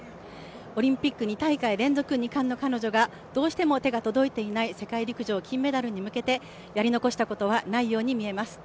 オリンピック２大会連続２冠の彼女がどうしても手が届いていない世界陸上金メダルに向けてやり残したことはないように見えます。